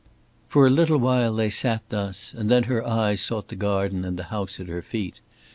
For a little while they sat thus, and then her eyes sought the garden and the house at her feet.